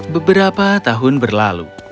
beberapa tahun berlalu